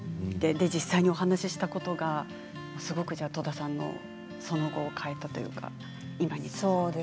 実際にお話ししたことがすごく戸田さんのその後を変えたというか今に至るというか。